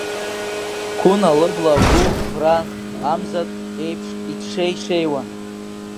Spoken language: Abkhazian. Қуна лыбла агу ӷран, амзаҭә еиԥш иҭшеи-шеиуан.